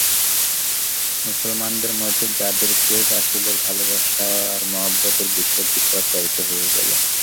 মুসলমানদের মাঝে যায়েদেকে রাসূলের ভালবাসা আর মহব্বতের বিষয়টি প্রচারিত হয়ে গেল।